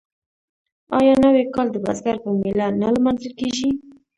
آیا نوی کال د بزګر په میله نه لمانځل کیږي؟